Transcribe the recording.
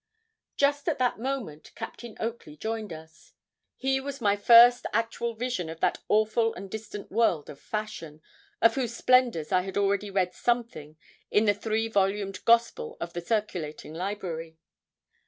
Just at that moment Captain Oakley joined us. He was my first actual vision of that awful and distant world of fashion, of whose splendours I had already read something in the three volumed gospel of the circulating library.